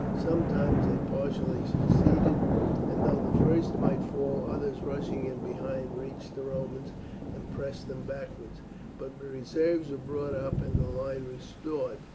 Sometimes they partially succeeded, and though the first might fall others rushing in behind reached the Romans and pressed them backwards, but reserves were brought up and the line restored.